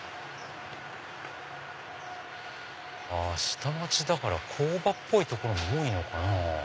下町だから工場っぽいとこも多いのかな。